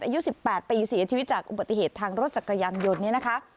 อายุ๑๘ปีเสียชีวิตจากอุบัติเหตุทางรถจักรยานยนต์เนี่ยนะคะ